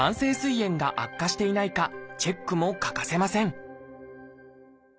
炎が悪化していないかチェックも欠かせません